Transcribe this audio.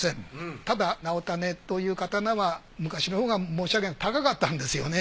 ただ直胤という刀は昔のほうが申し訳ない高かったんですよね。